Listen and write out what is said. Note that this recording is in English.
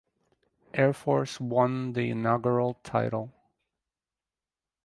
Air Force won the inaugural title.